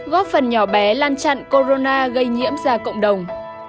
góp phần nhỏ bé lan chặn corona gây nhiễm ra cộng đồng